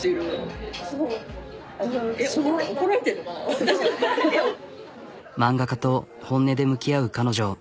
えっ漫画家と本音で向き合う彼女。